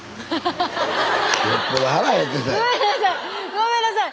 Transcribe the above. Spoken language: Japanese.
ごめんなさい！